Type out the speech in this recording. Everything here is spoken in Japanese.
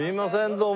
どうも。